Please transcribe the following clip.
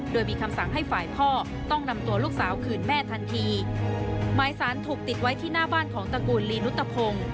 โดยมีคำสั่งให้ฝ่ายพ่อต้องนำตัวลูกสาวคืนแม่ทันทีหมายสารถูกติดไว้ที่หน้าบ้านของตระกูลลีนุตพงศ์